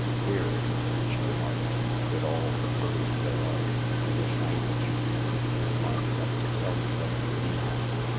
"Queer, isn't it," she remarked, "with all the words there are in the English language, you can't find enough to tell me what you mean."